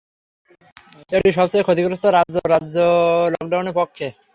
এটি সবচেয়ে ক্ষতিগ্রস্ত রাজ্যে রাজ্য-স্তরের লকডাউনের পক্ষে ছিল।